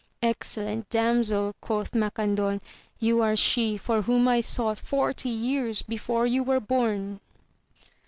Excellent damsel, quoth Macandon, you are she for whom I sought forty years before you were bom !